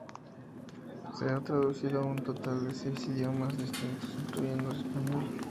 Se ha traducido a un total de seis idiomas distintos incluyendo el español.